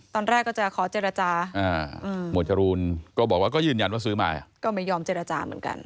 ตอนแรกก็จะขอเจรจาหมวดจรูนก็บอกว่าก็ยืนยันว่าซื้อมา